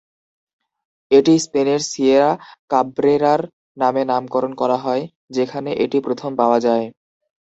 এটি স্পেনের সিয়েরা কাব্রেরার নামে নামকরণ করা হয় যেখানে এটি প্রথম পাওয়া যায়।